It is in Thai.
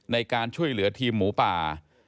ในการช่วยเหลือทีมหมูป่า